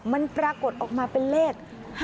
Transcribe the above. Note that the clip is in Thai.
มันปรากฏออกมาเป็นเลข๕๗